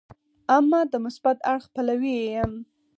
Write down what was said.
اما د مثبت اړخ پلوی یې یم.